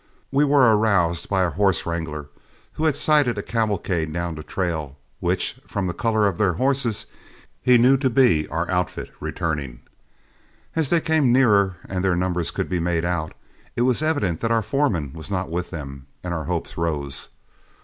We were aroused by our horse wrangler, who had sighted a cavalcade down the trail, which, from the color of their horses, he knew to be our outfit returning. As they came nearer and their numbers could be made out, it was evident that our foreman was not with them, and our hopes rose.